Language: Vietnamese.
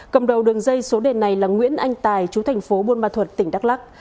cầm đầu đường dây số đề này là nguyễn anh tài chú thành phố bunma thuật tỉnh đắk lắc